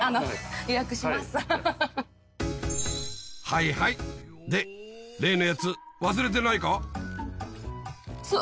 はいはいで例のやつ忘れてないか？